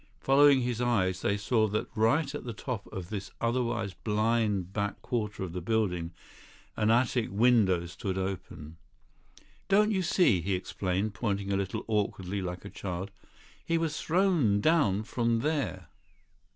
Following his eyes, they saw that right at the top of this otherwise blind back quarter of the building, an attic window stood open. "Don't you see," he explained, pointing a little awkwardly like a child, "he was thrown down from there?"